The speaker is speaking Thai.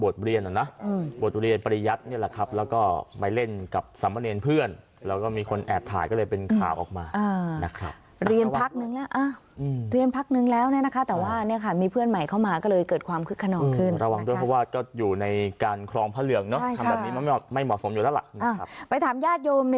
ต่อไปค่ะจริงเขาก็มาบวชเรียน